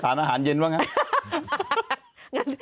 สารอาหารเย็นบ้างครับ